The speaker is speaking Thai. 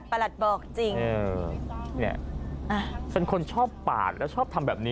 เป็นคนชอบปากชอบอย่างนี้